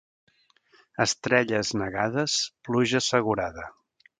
Estrelles negades, pluja assegurada.